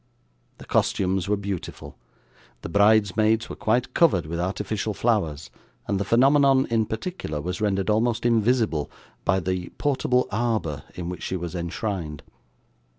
The costumes were beautiful. The bridesmaids were quite covered with artificial flowers, and the phenomenon, in particular, was rendered almost invisible by the portable arbour in which she was enshrined.